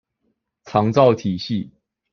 長照體系